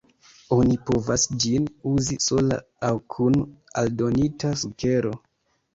Oni povas ĝin uzi sola aŭ kun aldonita sukero.